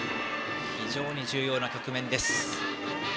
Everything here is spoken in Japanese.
非常に重要な局面です。